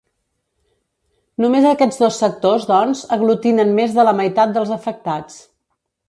Només aquests dos sectors, doncs, aglutinen més de la meitat dels afectats.